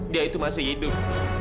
dia itu masih hidup